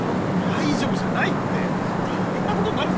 大丈夫じゃないって大変なことになるぞ！